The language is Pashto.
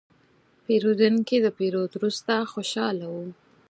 پیرودونکی د پیرود وروسته خوشاله و.